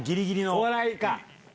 お笑いか！